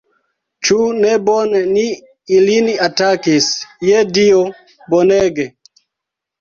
Ĉu ne bone ni ilin atakis, je Dio, bonege!